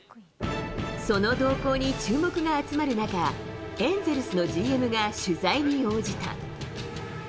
その動向に注目が集まる中、エンゼルスのＧＭが取材に応じた。